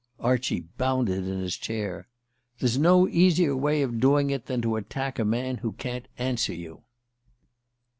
Archie bounded in his chair. "There's no easier way of doing it than to attack a man who can't answer you!"